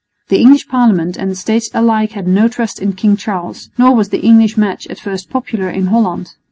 The English Parliament and the States alike had no trust in King Charles, nor was the English match at first popular in Holland.